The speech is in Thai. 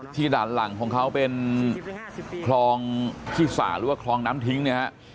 ด่านหลังของเขาเป็นคลองขี้สาหรือว่าคลองน้ำทิ้งเนี่ยฮะ